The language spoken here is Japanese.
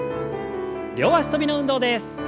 両脚跳びの運動です。